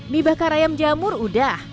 mie bakar ayam jamur udah